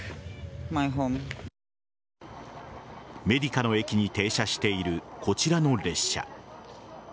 メディカの駅に停車しているこちらの列車。